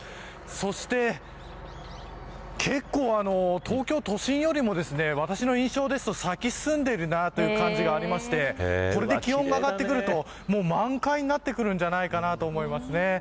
そして結構、東京都心よりも私の印象ですと咲き進んでいるなという感じがありましてこれで気温が上がってくるともう満開になってくるんじゃないかなと思います。